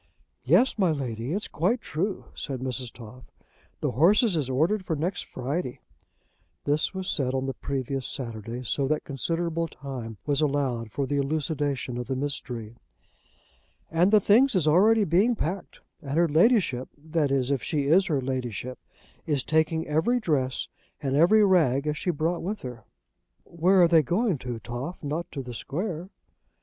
"Yes, my Lady, it's quite true," said Mrs. Toff. "The horses is ordered for next Friday." This was said on the previous Saturday, so that considerable time was allowed for the elucidation of the mystery. "And the things is already being packed, and her Ladyship, that is, if she is her Ladyship, is taking every dress and every rag as she brought with her." "Where are they going to, Toff? Not to the Square?"